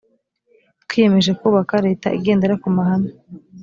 twiyemeje kubaka leta igendera ku mahame